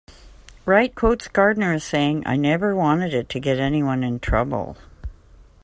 Wright quotes Gardner as saying: I never wanted it to get anyone into trouble.